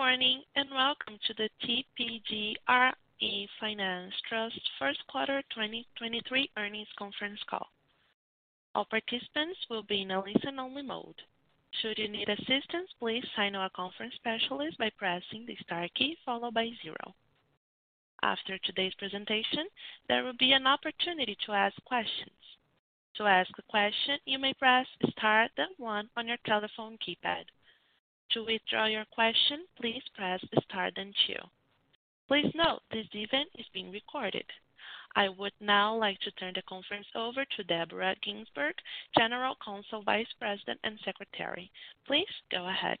Good morning, and welcome to the TPG RE Finance Trust first quarter 2023 earnings conference call. All participants will be in a listen-only mode. Should you need assistance, please signal a conference specialist by pressing the Star key followed by 0. After today's presentation, there will be an opportunity to ask questions. To ask a question, you may press Star then 1 on your telephone keypad. To withdraw your question, please press Star then 2. Please note, this event is being recorded. I would now like to turn the conference over to Deborah Ginsberg, General Counsel, Vice President, and Secretary. Please go ahead.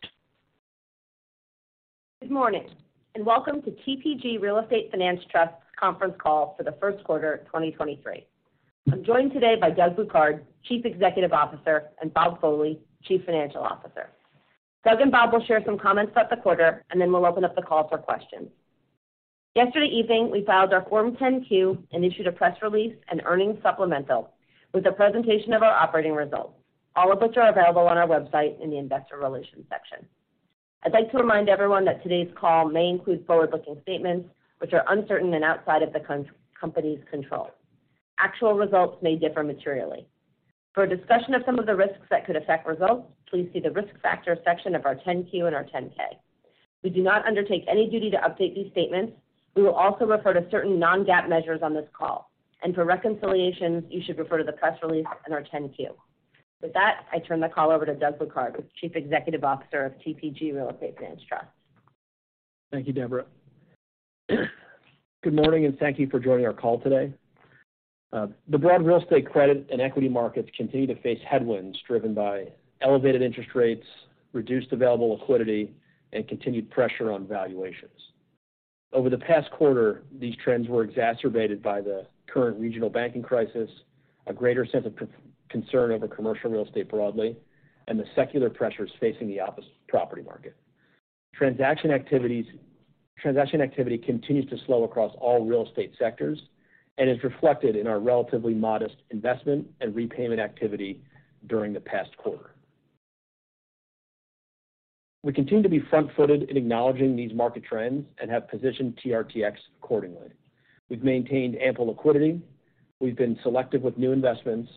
Good morning, and welcome to the TPG Real Estate Finance Trust conference call for the first quarter 2023. I'm joined today by Doug Bouquard, Chief Executive Officer, and Bob Foley, Chief Financial Officer. Doug and Bob will share some comments about the quarter, then we'll open up the call for questions. Yesterday evening, we filed our Form 10-Q and issued a press release and earnings supplemental with a presentation of our operating results, all of which are available on our website in the investor relations section. I'd like to remind everyone that today's call may include forward-looking statements which are uncertain and outside of the company's control. Actual results may differ materially. For a discussion of some of the risks that could affect results, please see the Risk Factors section of our Form 10-Q and Form 10-K. We do not undertake any duty to update these statements. We will also refer to certain non-GAAP measures on this call, and for reconciliations, you should refer to the press release and our 10-Q. With that, I turn the call over to Doug Bouquard, who's Chief Executive Officer of TPG Real Estate Finance Trust. Thank you, Deborah. Good morning, and thank you for joining our call today. The broad real estate credit and equity markets continue to face headwinds driven by elevated interest rates, reduced available liquidity, and continued pressure on valuations. Over the past quarter, these trends were exacerbated by the current regional banking crisis, a greater sense of concern over commercial real estate broadly, and the secular pressures facing the office property market. Transaction activity continues to slow across all real estate sectors and is reflected in our relatively modest investment and repayment activity during the past quarter. We continue to be front-footed in acknowledging these market trends and have positioned TRTX accordingly. We've maintained ample liquidity, we've been selective with new investments,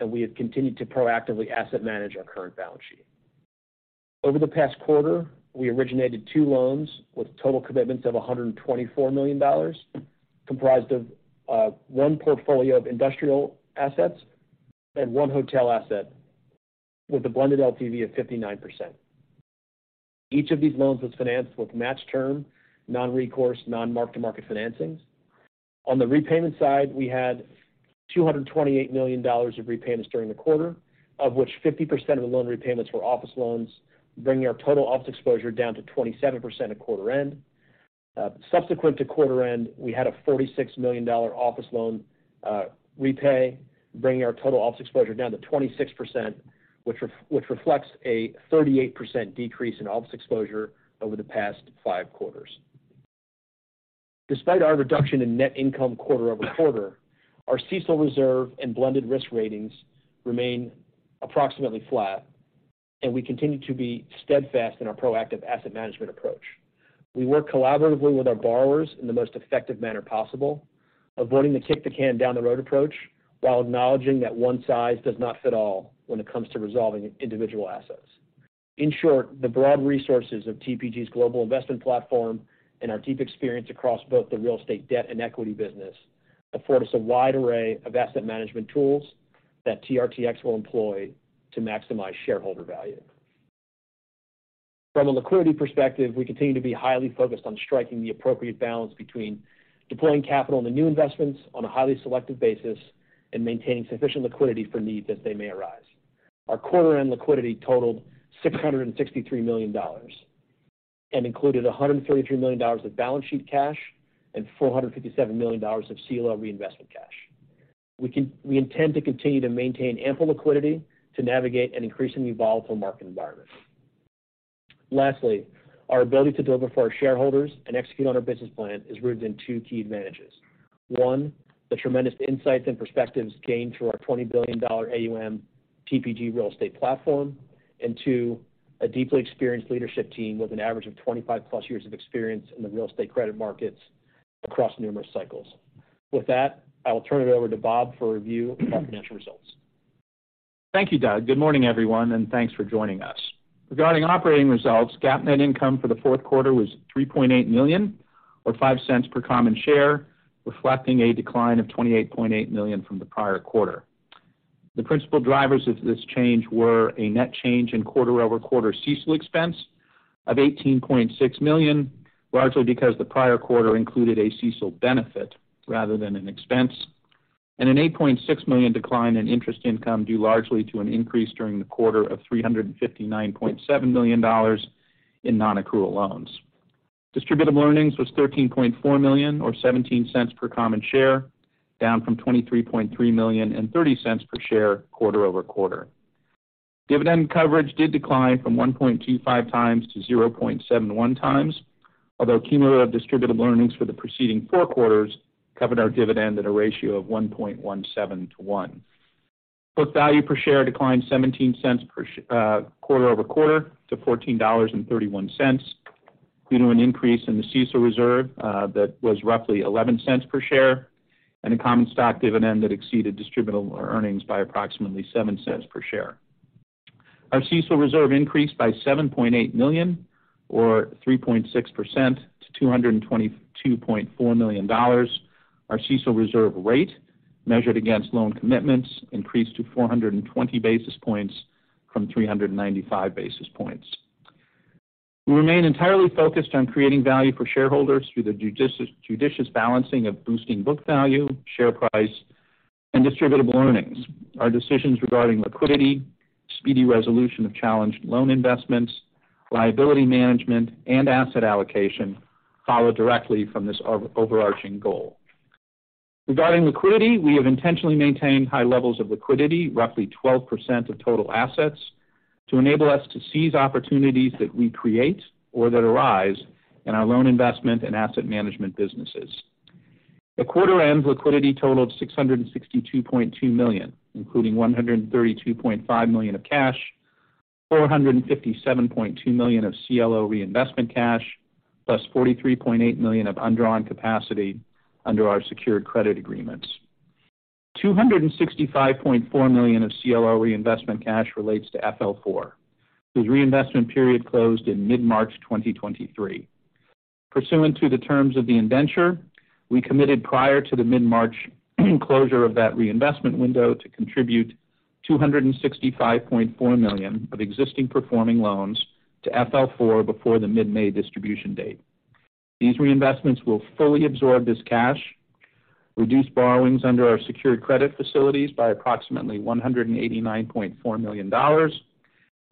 and we have continued to proactively asset manage our current balance sheet. Over the past quarter, we originated two loans with total commitments of $124 million, comprised of one portfolio of industrial assets and one hotel asset with a blended LTV of 59%. Each of these loans was financed with match term non-recourse, non-mark-to-market financings. On the repayment side, we had $228 million of repayments during the quarter, of which 50% of the loan repayments were office loans, bringing our total office exposure down to 27% at quarter end. Subsequent to quarter end, we had a $46 million office loan repay, bringing our total office exposure down to 26%, which reflects a 38% decrease in office exposure over the past five quarters. Despite our reduction in net income quarter-over-quarter, our CECL reserve and blended risk ratings remain approximately flat, and we continue to be steadfast in our proactive asset management approach. We work collaboratively with our borrowers in the most effective manner possible, avoiding the kick-the-can-down-the-road approach, while acknowledging that one size does not fit all when it comes to resolving individual assets. In short, the broad resources of TPG's global investment platform and our deep experience across both the real estate debt and equity business afford us a wide array of asset management tools that TRTX will employ to maximize shareholder value. From a liquidity perspective, we continue to be highly focused on striking the appropriate balance between deploying capital into new investments on a highly selective basis and maintaining sufficient liquidity for needs as they may arise. Our quarter-end liquidity totaled $663 million and included $133 million of balance sheet cash and $457 million of CLO reinvestment cash. We intend to continue to maintain ample liquidity to navigate an increasingly volatile market environment. Lastly, our ability to deliver for our shareholders and execute on our business plan is rooted in two key advantages. One, the tremendous insights and perspectives gained through our $20 billion AUM TPG Real Estate platform. Two, a deeply experienced leadership team with an average of 25+ years of experience in the real estate credit markets across numerous cycles. With that, I will turn it over to Bob for a review of our financial results. Thank you, Doug. Good morning, everyone, and thanks for joining us. Regarding operating results, GAAP net income for the first quarter was $3.8 million or $0.05 per common share, reflecting a decline of $28.8 million from the prior quarter. The principal drivers of this change were a net change in quarter-over-quarter CECL expense of $18.6 million, largely because the prior quarter included a CECL benefit rather than an expense, and an $8.6 million decline in interest income due largely to an increase during the quarter of $359.7 million in non-accrual loans. Distributable earnings was $13.4 million or $0.17 per common share, down from $23.3 million and $0.30 per share quarter-over-quarter. Dividend coverage did decline from 1.25 times to 0.71 times. Cumulative distributable earnings for the preceding four quarters covered our dividend at a ratio of 1.17 to 1. Book value per share declined $0.17 per quarter-over-quarter to $14.31 due to an increase in the CECL reserve that was roughly $0.11 per share and a common stock dividend that exceeded distributable earnings by approximately $0.07 per share. Our CECL reserve increased by $7.8 million or 3.6% to $222.4 million. Our CECL reserve rate, measured against loan commitments, increased to 420 basis points from 395 basis points. We remain entirely focused on creating value for shareholders through the judicious balancing of boosting book value, share price, and distributable earnings. Our decisions regarding liquidity, speedy resolution of challenged loan investments, liability management, and asset allocation follow directly from this overarching goal. Regarding liquidity, we have intentionally maintained high levels of liquidity, roughly 12% of total assets, to enable us to seize opportunities that we create or that arise in our loan investment and asset management businesses. At quarter end, liquidity totaled $662.2 million, including $132.5 million of cash, $457.2 million of CLO reinvestment cash, plus $43.8 million of undrawn capacity under our secured credit agreements. $265.4 million of CLO reinvestment cash relates to FL four, whose reinvestment period closed in mid-March 2023. Pursuant to the terms of the indenture, we committed prior to the mid-March closure of that reinvestment window to contribute $265.4 million of existing performing loans to FL four before the mid-May distribution date. These reinvestments will fully absorb this cash, reduce borrowings under our secured credit facilities by approximately $189.4 million,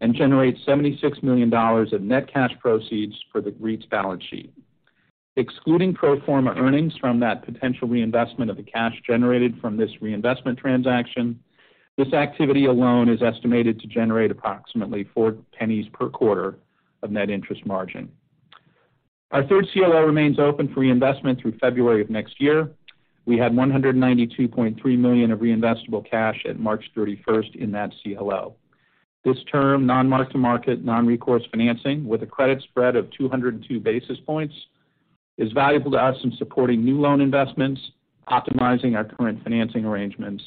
and generate $76 million of net cash proceeds for the REIT's balance sheet. Excluding pro forma earnings from that potential reinvestment of the cash generated from this reinvestment transaction, this activity alone is estimated to generate approximately $0.04 per quarter of net interest margin. Our third CLO remains open for reinvestment through February of next year. We had $192.3 million of reinvestable cash at March 31 in that CLO. This term non-mark-to-market, non-recourse financing with a credit spread of 202 basis points is valuable to us in supporting new loan investments, optimizing our current financing arrangements,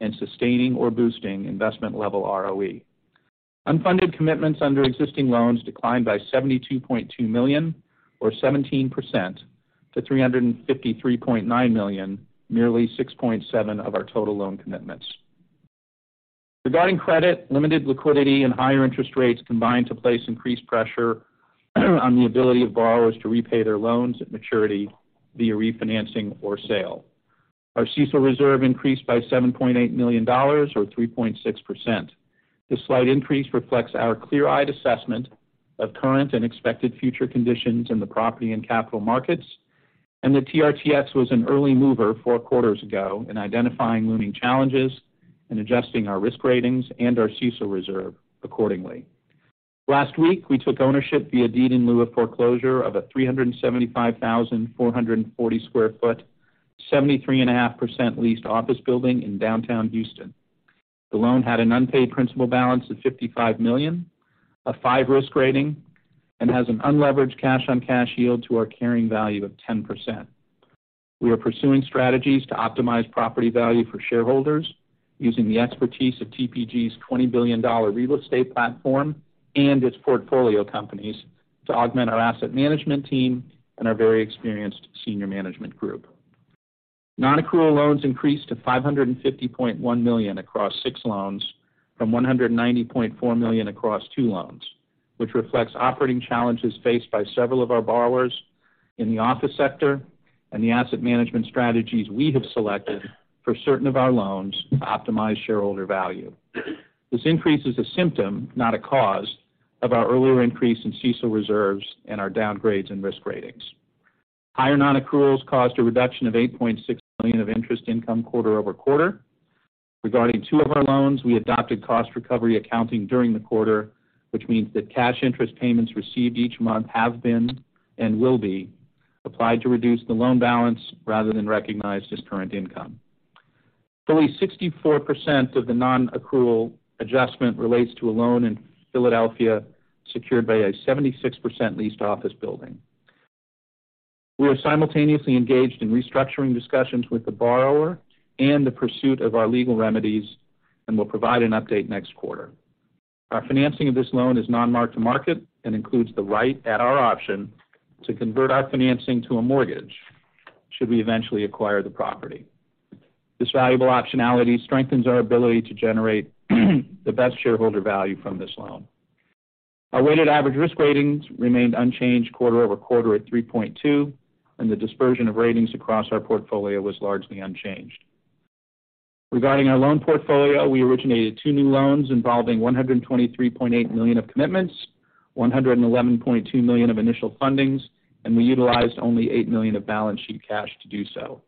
and sustaining or boosting investment-level ROE. Unfunded commitments under existing loans declined by $72.2 million or 17% to $353.9 million, merely 6.7% of our total loan commitments. Regarding credit, limited liquidity and higher interest rates combined to place increased pressure on the ability of borrowers to repay their loans at maturity via refinancing or sale. Our CECL reserve increased by $7.8 million or 3.6%. This slight increase reflects our clear-eyed assessment of current and expected future conditions in the property and capital markets, and that TRTX was an early mover four quarters ago in identifying looming challenges and adjusting our risk ratings and our CECL reserve accordingly. Last week, we took ownership via deed in lieu of foreclosure of a 375,440 square feet, 73.5% leased office building in downtown Houston. The loan had an unpaid principal balance of $55 million, a 5 risk rating, and has an unleveraged cash-on-cash yield to our carrying value of 10%. We are pursuing strategies to optimize property value for shareholders using the expertise of TPG's $20 billion real estate platform and its portfolio companies to augment our asset management team and our very experienced senior management group. Non-accrual loans increased to $550.1 million across 6 loans from $190.4 million across 2 loans, which reflects operating challenges faced by several of our borrowers in the office sector and the asset management strategies we have selected for certain of our loans to optimize shareholder value. This increase is a symptom, not a cause, of our earlier increase in CECL reserves and our downgrades in risk ratings. Higher nonaccruals caused a reduction of $8.6 million of interest income quarter-over-quarter. Regarding 2 of our loans, we adopted cost recovery accounting during the quarter, which means that cash interest payments received each month have been and will be applied to reduce the loan balance rather than recognized as current income. Fully 64% of the non-accrual adjustment relates to a loan in Philadelphia secured by a 76% leased office building. We are simultaneously engaged in restructuring discussions with the borrower and the pursuit of our legal remedies and will provide an update next quarter. Our financing of this loan is non-mark-to-market and includes the right at our option to convert our financing to a mortgage should we eventually acquire the property. This valuable optionality strengthens our ability to generate the best shareholder value from this loan. Our weighted average risk ratings remained unchanged quarter-over-quarter at 3.2, and the dispersion of ratings across our portfolio was largely unchanged. Regarding our loan portfolio, we originated two new loans involving $123.8 million of commitments, $111.2 million of initial fundings, we utilized only $8 million of balance sheet cash to do so.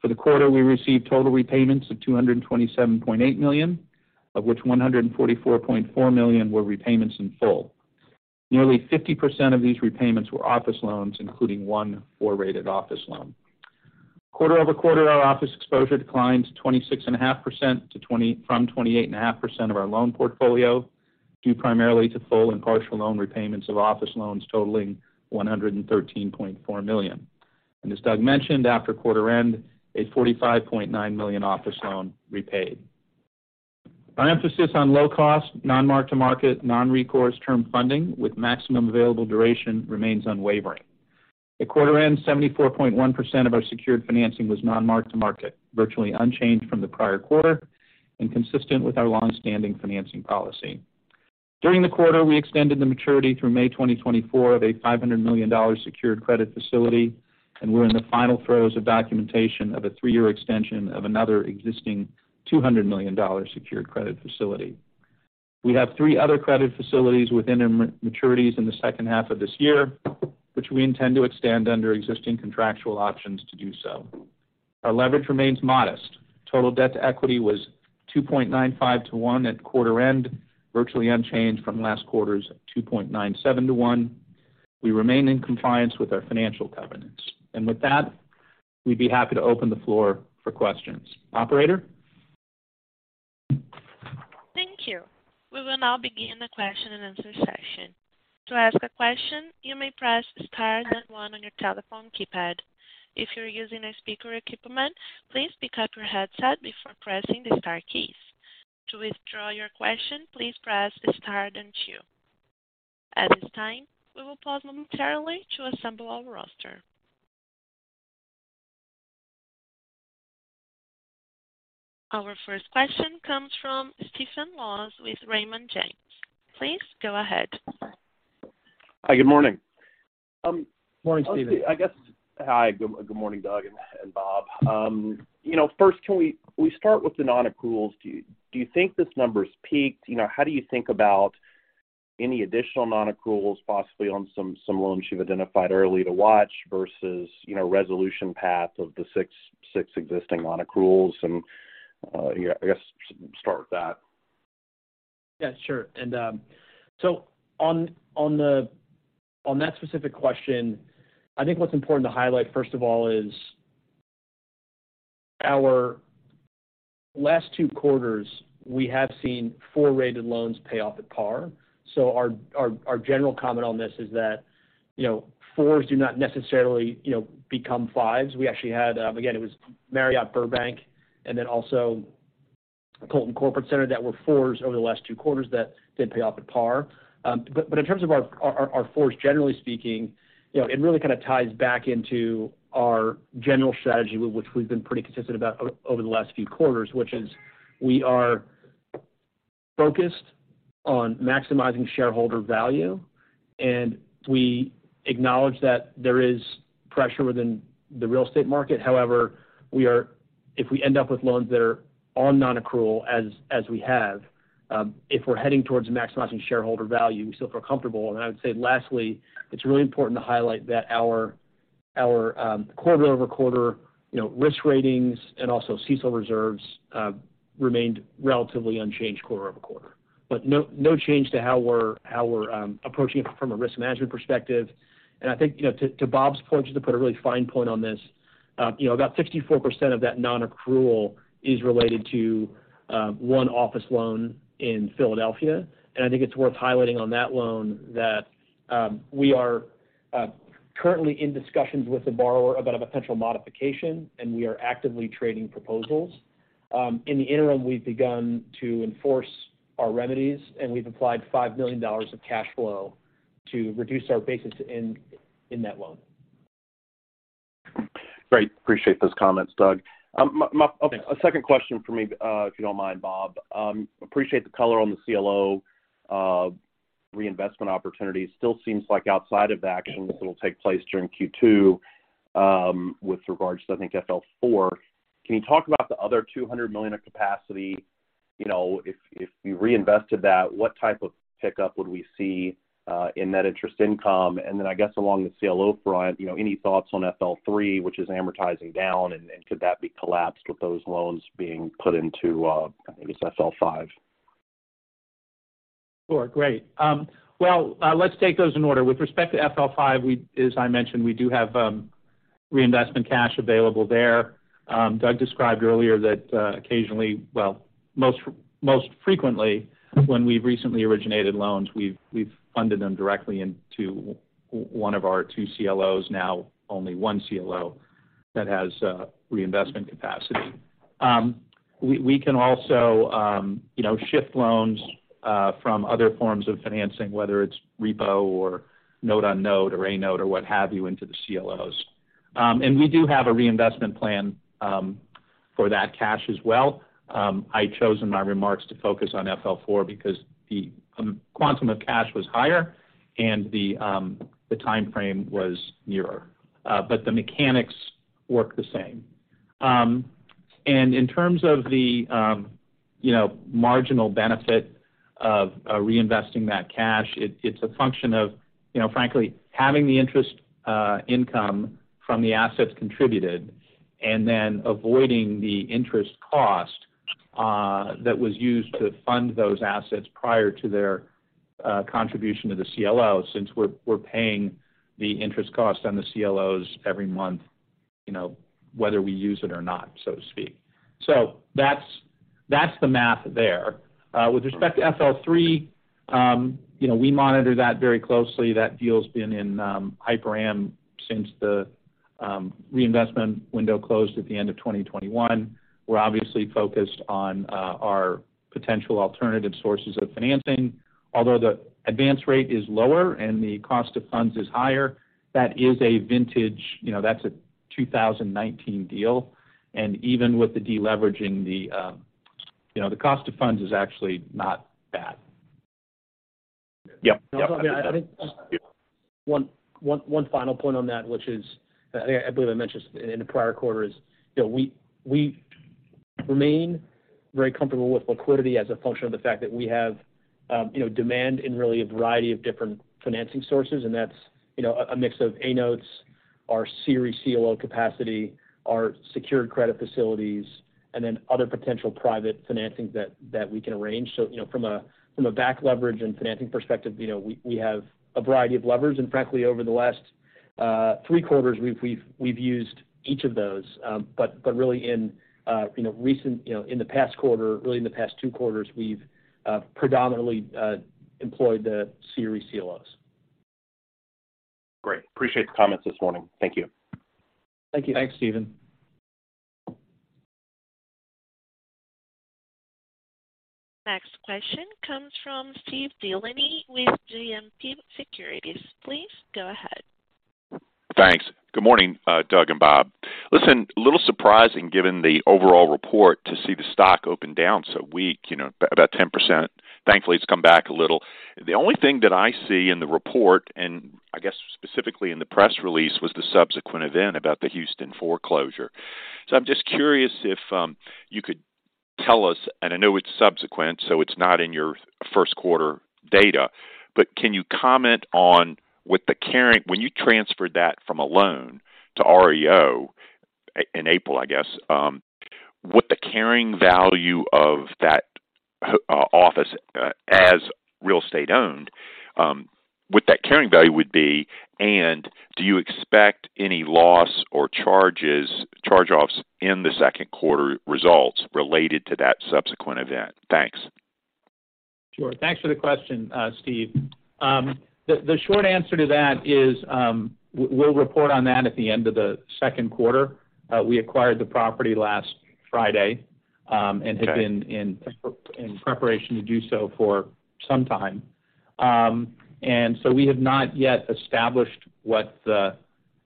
For the quarter, we received total repayments of $227.8 million, of which $144.4 million were repayments in full. Nearly 50% of these repayments were office loans, including 1 four-rated office loan. Quarter-over-quarter, our office exposure declined 26.5% from 28.5% of our loan portfolio, due primarily to full and partial loan repayments of office loans totaling $113.4 million. As Doug mentioned, after quarter end, a $45.9 million office loan repaid. Our emphasis on low cost, non-mark-to-market, non-recourse term funding with maximum available duration remains unwavering. At quarter end, 74.1% of our secured financing was non-mark-to-market, virtually unchanged from the prior quarter and consistent with our long-standing financing policy. During the quarter, we extended the maturity through May 2024 of a $500 million secured credit facility, and we're in the final throes of documentation of a three-year extension of another existing $200 million secured credit facility. We have three other credit facilities within maturities in the second half of this year, which we intend to extend under existing contractual options to do so. Our leverage remains modest. Total debt to equity was 2.95 to 1 at quarter end, virtually unchanged from last quarter's 2.97 to 1. We remain in compliance with our financial covenants. With that, we'd be happy to open the floor for questions. Operator? Thank you. We will now begin the question and answer session. To ask a question, you may press star then one on your telephone keypad. If you're using a speakerphone equipment, please pick up your headset before pressing the star keys. To withdraw your question, please press star then two. At this time, we will pause momentarily to assemble our roster. Our first question comes from Stephen Laws with Raymond James. Please go ahead. Hi, good morning. Morning, Stephen. Hi, good morning, Doug and Bob. You know, first, can we start with the non-accruals. Do you think this number's peaked? You know, how do you think about any additional non-accruals, possibly on some loans you've identified early to watch versus, you know, resolution path of the 6 existing non-accruals? Yeah, I guess start with that. Yeah, sure. On that specific question, I think what's important to highlight first of all is our last 2 quarters, we have seen 4-rated loans pay off at par. Our general comment on this is that, you know, fours do not necessarily, you know, become fives. We actually had again, it was Marriott Burbank, also Colton Corporate Center that were fours over the last 2 quarters that did pay off at par. But in terms of our fours, generally speaking, you know, it really kind of ties back into our general strategy, which we've been pretty consistent about over the last few quarters, which is we are focused on maximizing shareholder value, we acknowledge that there is pressure within the real estate market. However, if we end up with loans that are on non-accrual as we have, if we're heading towards maximizing shareholder value, we still feel comfortable. I would say lastly, it's really important to highlight that our quarter-over-quarter, you know, risk ratings and also CECL reserves remained relatively unchanged quarter-over-quarter. No change to how we're approaching it from a risk management perspective. I think, you know, to Bob's point, just to put a really fine point on this, you know, about 64% of that non-accrual is related to one office loan in Philadelphia. I think it's worth highlighting on that loan that we are currently in discussions with the borrower about a potential modification, and we are actively trading proposals. In the interim, we've begun to enforce our remedies, and we've applied $5 million of cash flow to reduce our basis in that loan. Great. Appreciate those comments, Doug. Okay. A second question for me, if you don't mind, Bob. Appreciate the color on the CLO reinvestment opportunity. Still seems like outside of the action that'll take place during Q2, with regards to, I think, FL four. Can you talk about the other $200 million of capacity? You know, if you reinvested that, what type of pickup would we see in net interest income? I guess along the CLO front, you know, any thoughts on FL three, which is amortizing down, and could that be collapsed with those loans being put into, I guess, FL five? Sure. Great. Well, let's take those in order. With respect to FL five, as I mentioned, we do have reinvestment cash available there. Doug described earlier that occasionally, most frequently, when we've recently originated loans, we've funded them directly into one of our two CLOs, now only one CLO that has reinvestment capacity. We can also, you know, shift loans from other forms of financing, whether it's repo or note on note or A-note or what have you, into the CLOs. We do have a reinvestment plan for that cash as well. I chose in my remarks to focus on FL four because the quantum of cash was higher and the timeframe was nearer. The mechanics work the same. In terms of the, you know, marginal benefit of reinvesting that cash, it's a function of, you know, frankly, having the interest income from the assets contributed and then avoiding the interest cost that was used to fund those assets prior to their contribution to the CLO, since we're paying the interest costs on the CLOs every month, you know, whether we use it or not, so to speak. That's the math there. With respect to FL Three, you know, we monitor that very closely. That deal's been in hyper-AM since the reinvestment window closed at the end of 2021. We're obviously focused on our potential alternative sources of financing. Although the advance rate is lower and the cost of funds is higher, that's a 2019 deal. Even with the deleveraging, the, you know, the cost of funds is actually not bad. Yep. I think one final point on that, which is, I believe I mentioned in the prior quarter, is, you know, we remain very comfortable with liquidity as a function of the fact that we have, you know, demand in really a variety of different financing sources, and that's, you know, a mix of A notes, our series CLO capacity, our secured credit facilities, and then other potential private financings that we can arrange. You know, from a, from a back leverage and financing perspective, you know, we have a variety of levers, and frankly, over the last three quarters, we've used each of those. But, but really in, you know, recent, you know, in the past quarter, really in the past two quarters, we've predominantly employed the series CLOs. Great. Appreciate the comments this morning. Thank you. Thank you. Thanks, Steven. Next question comes from Steven DeLaney with JMP Securities. Please go ahead. Thanks. Good morning, Doug and Bob. A little surprising, given the overall report to see the stock open down so weak, you know, about 10%. Thankfully, it's come back a little. The only thing that I see in the report, and I guess specifically in the press release, was the subsequent event about the Houston foreclosure. I'm just curious if you could tell us, and I know it's subsequent, so it's not in your first quarter data, but can you comment on what the carrying when you transferred that from a loan to REO in April, I guess, what the carrying value of that office, as real estate owned, what that carrying value would be, and do you expect any loss or charges, charge-offs in the second quarter results related to that subsequent event? Thanks. Sure. Thanks for the question, Steve. The short answer to that is, we'll report on that at the end of the second quarter. We acquired the property last Friday. Okay. We have not yet established what the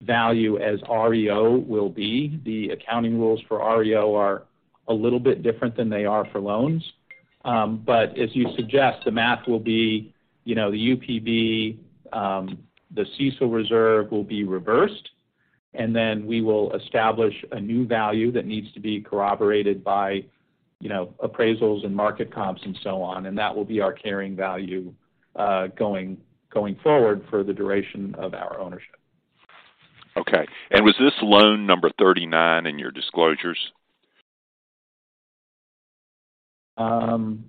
value as REO will be. The accounting rules for REO are a little bit different than they are for loans. As you suggest, the math will be, you know, the UPB, the CECL reserve will be reversed. Then we will establish a new value that needs to be corroborated by, you know, appraisals and market comps and so on. That will be our carrying value going forward for the duration of our ownership. Okay. Was this loan number 39 in your disclosures? Um...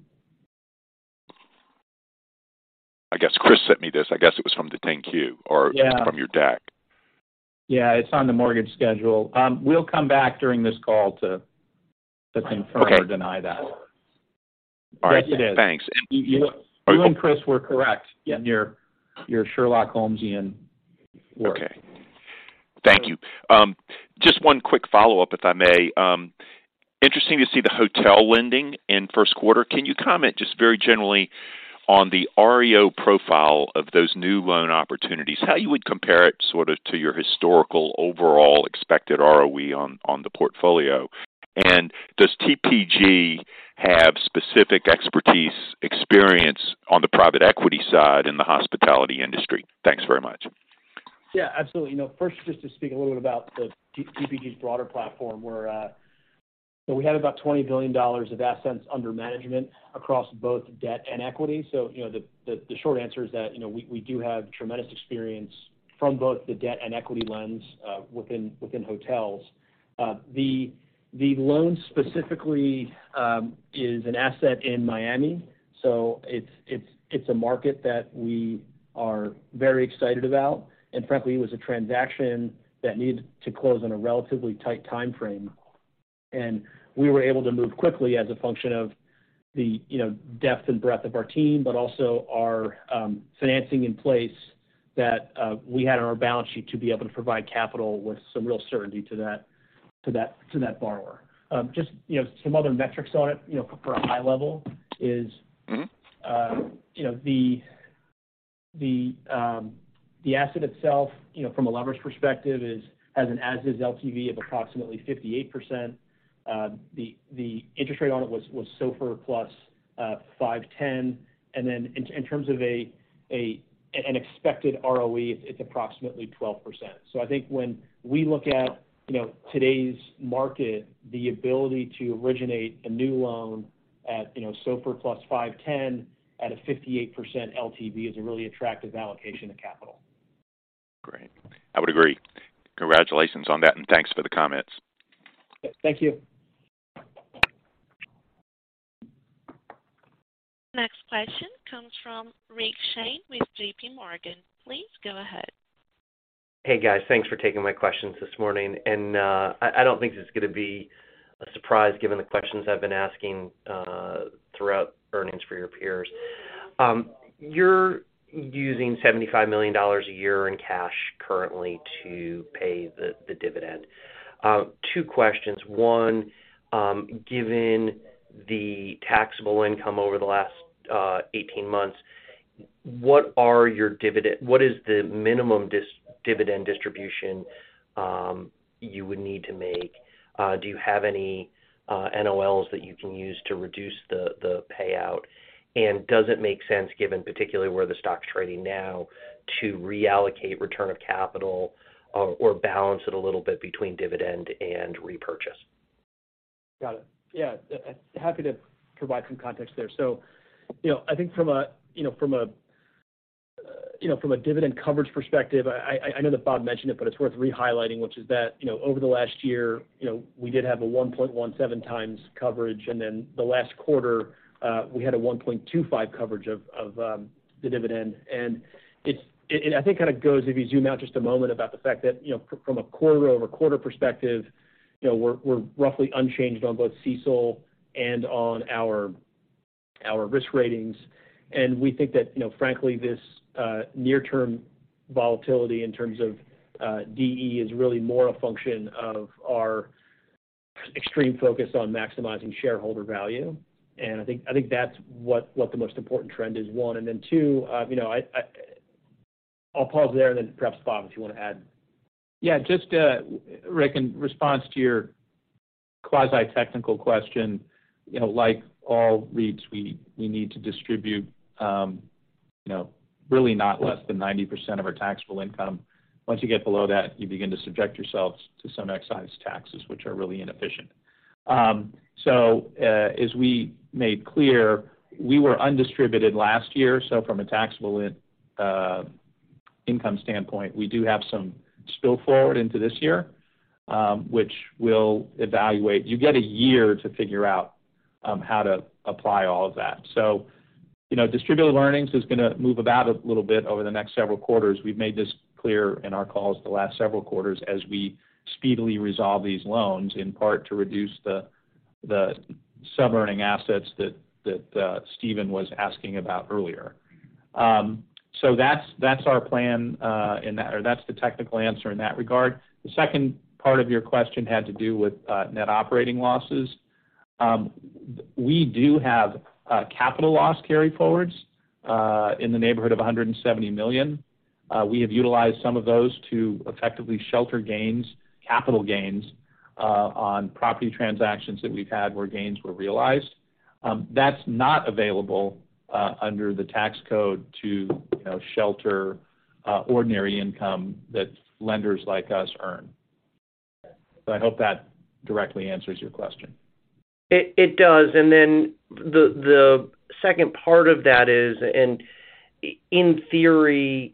I guess Chris sent me this. I guess it was from the ten-Q or... Yeah. from your deck. Yeah, it's on the mortgage schedule. We'll come back during this call to confirm... Okay. deny that. All right. Yes, it is. Thanks. You and Chris were correct. Yeah. in your Sherlock Holmesian work. Okay. Thank you. Just one quick follow-up, if I may. Interesting to see the hotel lending in first quarter. Can you comment just very generally on the REO profile of those new loan opportunities, how you would compare it sort of to your historical overall expected ROE on the portfolio? Does TPG have specific expertise experience on the private equity side in the hospitality industry? Thanks very much. Yeah, absolutely. You know, first, just to speak a little bit about TPG's broader platform, we're, we had about $20 billion of assets under management across both debt and equity. You know, the short answer is that, you know, we do have tremendous experience from both the debt and equity lens within hotels. The loan specifically is an asset in Miami, it's a market that we are very excited about. Frankly, it was a transaction that needed to close in a relatively tight timeframe. We were able to move quickly as a function of the, you know, depth and breadth of our team, but also our financing in place that we had on our balance sheet to be able to provide capital with some real certainty to that borrower. Just, you know, some other metrics on it, you know, for high level is... Mm-hmm. You know, the asset itself, you know, from a leverage perspective has an as is LTV of approximately 58%. The, the interest rate on it was SOFR plus 510. In terms of an expected ROE, it's approximately 12%. I think when we look at, you know, today's market, the ability to originate a new loan at, you know, SOFR plus 510 at a 58% LTV is a really attractive allocation of capital. Great. I would agree. Congratulations on that. Thanks for the comments. Thank you. Next question comes from Rick Shane with JPMorgan. Please go ahead. Hey, guys. Thanks for taking my questions this morning. I don't think this is gonna be a surprise given the questions I've been asking throughout earnings for your peers. You're using $75 million a year in cash currently to pay the dividend. Two questions. One, given the taxable income over the last 18 months, what are your dividend what is the minimum dividend distribution you would need to make? Do you have any NOLs that you can use to reduce the payout? Does it make sense, given particularly where the stock's trading now, to reallocate return of capital or balance it a little bit between dividend and repurchase? Got it. Yeah. Happy to provide some context there. You know, I think from a, you know, dividend coverage perspective, I know that Bob mentioned it, but it's worth re-highlighting, which is that, you know, over the last year, you know, we did have a 1.17 times coverage, and then the last quarter, we had a 1.25 coverage of the dividend. I think it kinda goes, if you zoom out just a moment, about the fact that, you know, from a quarter-over-quarter perspective, you know, we're roughly unchanged on both CECL and on our risk ratings. We think that, you know, frankly, this, near term volatility in terms of DE is really more a function of our extreme focus on maximizing shareholder value. I think that's what the most important trend is, one. Two, you know, I'll pause there and then perhaps, Bob, if you wanna add. Yeah. Just, Rick, in response to your quasi-technical question, you know, like all REITs, we need to distribute, you know, really not less than 90% of our taxable income. Once you get below that, you begin to subject yourselves to some excise taxes, which are really inefficient. As we made clear, we were undistributed last year, from a taxable income standpoint, we do have some spill forward into this year, which we'll evaluate. You get a year to figure out how to apply all of that. You know, distributable earnings is gonna move about a little bit over the next several quarters. We've made this clear in our calls the last several quarters as we speedily resolve these loans, in part to reduce the sub-earning assets that Steven was asking about earlier. That's, that's our plan, or that's the technical answer in that regard. The second part of your question had to do with net operating losses. We do have capital loss carryforwards in the neighborhood of $170 million. We have utilized some of those to effectively shelter gains, capital gains, on property transactions that we've had where gains were realized. That's not available under the tax code to, you know, shelter ordinary income that lenders like us earn. I hope that directly answers your question. It does. The second part of that is, in theory,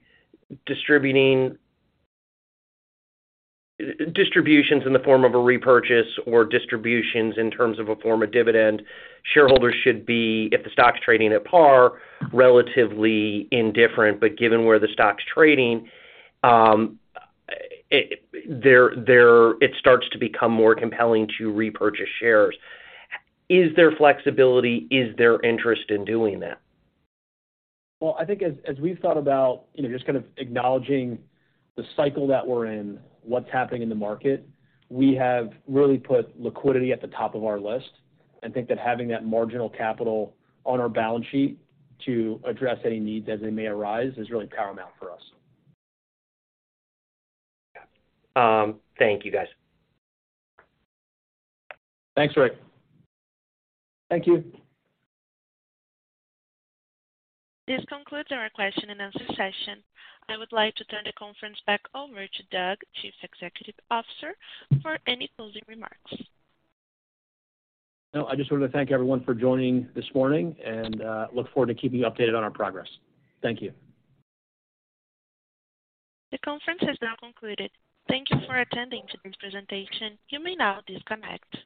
distributions in the form of a repurchase or distributions in terms of a form of dividend, shareholders should be, if the stock's trading at par, relatively indifferent. Given where the stock's trading, it starts to become more compelling to repurchase shares. Is there flexibility? Is there interest in doing that? Well, I think as we've thought about, you know, just kind of acknowledging the cycle that we're in, what's happening in the market, we have really put liquidity at the top of our list and think that having that marginal capital on our balance sheet to address any needs as they may arise is really paramount for us. Yeah. Thank you, guys. Thanks, Rick. Thank you. This concludes our question and answer session. I would like to turn the conference back over to Doug, Chief Executive Officer, for any closing remarks. No, I just wanted to thank everyone for joining this morning and, look forward to keeping you updated on our progress. Thank you. The conference has now concluded. Thank you for attending today's presentation. You may now disconnect.